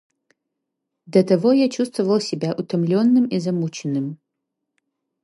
до того я чувствовал себя утомленным и замученным.